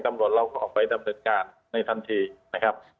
ตำรวจเราก็ออกไปดำเนินการในทันทีนะครับ